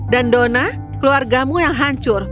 dan donna keluargamu yang hancur